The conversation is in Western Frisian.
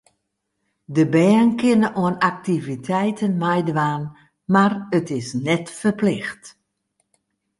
De bern kinne oan aktiviteiten meidwaan, mar it is net ferplicht.